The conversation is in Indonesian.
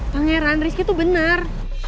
tengah ran rizky tuh bener